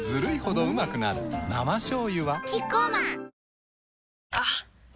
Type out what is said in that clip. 生しょうゆはキッコーマンあっ！